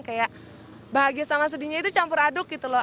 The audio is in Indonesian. kayak bahagia sama sedihnya itu campur aduk gitu loh